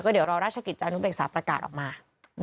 เดี๋ยวรอราชกิจจานุเบกษาประกาศออกมา